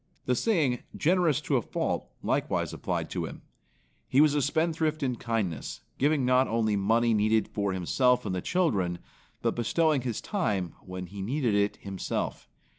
The saying, "Generous to a fault" likewise applied to him. He was a spendthrift in kindness, giving not only money needed for himself and the children, but bestowing his time when he needed it himself.